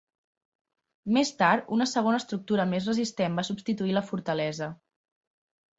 Més tard, una segona estructura més resistent va substituir la fortalesa.